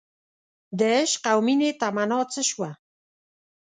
دعشق او مینې تمنا څه شوه